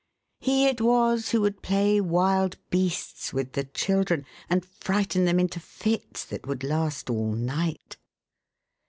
He it was who would play "wild beasts" with the children, and frighten them into fits that would last all night.